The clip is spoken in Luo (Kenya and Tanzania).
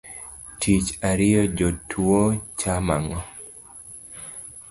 Tich ariyo jotuo chamo ang’o?